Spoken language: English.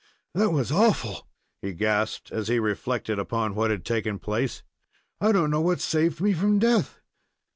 "That was awful!" he gasped, as he reflected upon what had taken place. "I don't know what saved me from death!